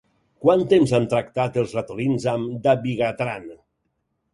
Quant temps han tractat els ratolins amb dabigatran?